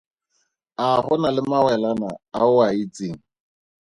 A go na le mawelana a o a itseng?